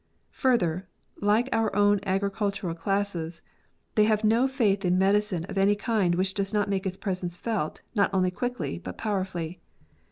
Further, like our own agricultural classes, they have no faith in medicine of any kind which does not make its, presence felt not only quickly but powerfully.